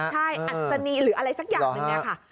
ใช่แอสนี่หรืออะไรสักอย่างหนึ่งนะค่ะ